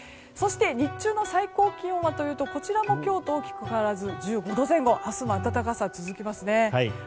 そして日中の最高気温はというとこちらも今日と大きく変わらず１５度前後と明日も暖かさが続きますね。